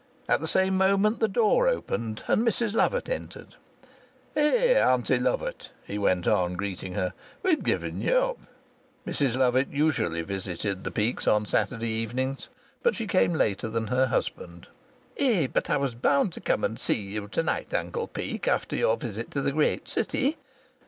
At the same moment the door opened and Mrs Lovatt entered. "Eh, Auntie Lovatt," he went on, greeting her, "we'd given ye up." Mrs Lovatt usually visited the Peakes on Saturday evenings, but she came later than her husband. "Eh, but I was bound to come and see you to night, Uncle Peake, after your visit to the great city.